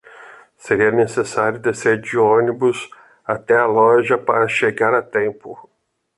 Seria necessário descer de ônibus até a loja para chegar a tempo.